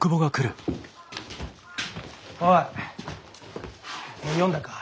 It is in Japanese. おい読んだか？